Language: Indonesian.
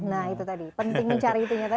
penting mencari itunya